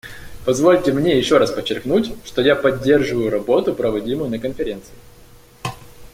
Позвольте мне еще раз подчеркнуть, что я поддерживаю работу, проводимую на Конференции.